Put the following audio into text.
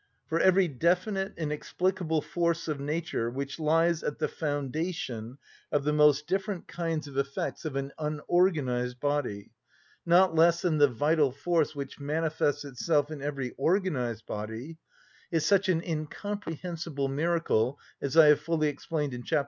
For every definite, inexplicable force of nature which lies at the foundation of the most different kinds of effects of an unorganised body, not less than the vital force which manifests itself in every organised body, is such an incomprehensible miracle, as I have fully explained in chap.